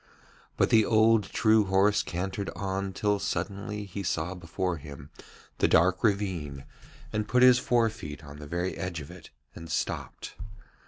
But the old true horse cantered on till suddenly he saw before him the dark ravine and put his forefeet out on the very edge of it and stopped.